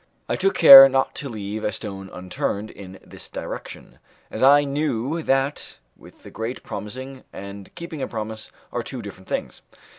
I took care not to leave a stone unturned in this direction, as I knew that, with the great, promising and keeping a promise are two different things.